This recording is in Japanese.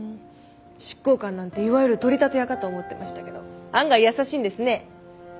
執行官なんていわゆる取り立て屋かと思ってましたけど案外優しいんですね。